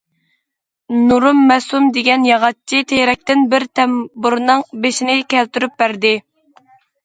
نۇرۇم مەسۇم دېگەن ياغاچچى تېرەكتىن بىر تەمبۇرنىڭ بېشىنى كەلتۈرۈپ بەردى.